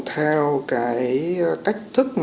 theo cái cách thức